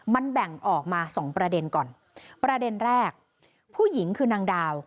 มันแบ่งออกมาสองประเด็นก่อนประเด็นแรกผู้หญิงคือนางดาว